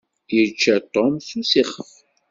Yečča Tom s usixef.